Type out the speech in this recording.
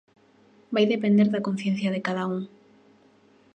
Vai depender da conciencia de cada un.